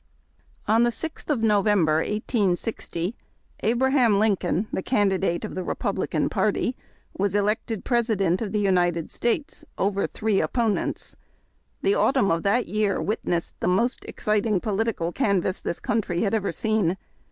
T the 6th of November, 1860, Abra liam Lincoln, tlie candidate of the Republican party, was elected ^ President of the United States, over three opponents. The au tumn of that year witnessed the most exciting political canvass this country had ever seen.